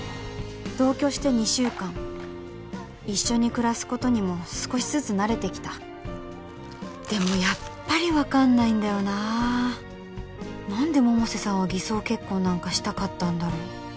同居して２週間一緒に暮らすことにも少しずつ慣れてきたでもやっぱり分かんないんだよなあ何で百瀬さんは偽装結婚なんかしたかったんだろう